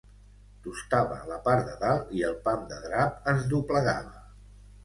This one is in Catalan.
Tustava la part de dalt i el pam de drap es doblegava.